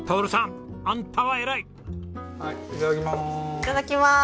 いただきます。